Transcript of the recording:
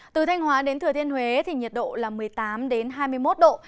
từ thanh hóa đến thừa thiên huế thì nhiệt độ là một mươi tám hai mươi một độ